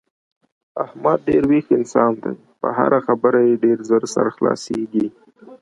احمد ډېر ویښ انسان دی په هره خبره یې ډېر زر سر خلاصېږي.